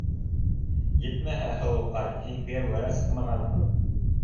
Етмәһә, һылыуҡай, һин кейәүгә лә сыҡмағанһың.